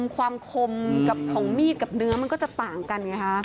ความคมของมีดกับเนื้อมันก็จะต่างกันไงฮะ